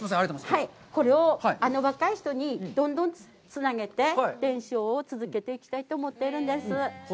これを若い人にどんどんつなげて、伝承を続けていきたいと思ってるんです。